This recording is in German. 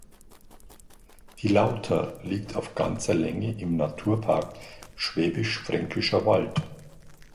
Die Lauter liegt auf ganzer Länge im Naturpark Schwäbisch-Fränkischer Wald.